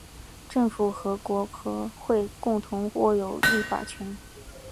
政府和国会共同握有立法权。